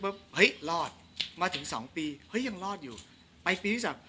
เฮ้ยรอดมาถึงสองปีเฮ้ยยังรอดอยู่ไปปีที่สาม